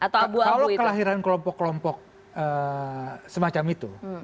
kalau kelahiran kelompok kelompok semacam itu